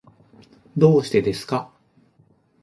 どうしてですか。